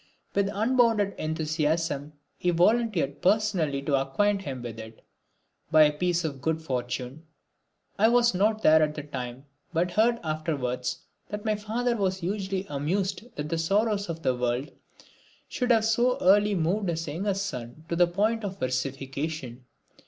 With unbounded enthusiasm he volunteered personally to acquaint him with it. By a piece of good fortune I was not there at the time but heard afterwards that my father was hugely amused that the sorrows of the world should have so early moved his youngest son to the point of versification.